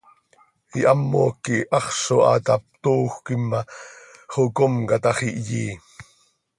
Ihamoc quih haxz zo haa tap, toojöquim ma, xocomca tax, ihyí.